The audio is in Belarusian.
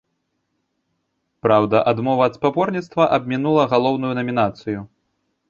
Праўда, адмова ад спаборніцтва абмінула галоўную намінацыю.